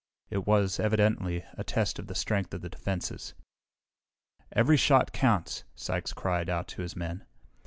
It was, evidently, a test of the strength of the defenses. "Every shot counts!" Sykes cried out to his men.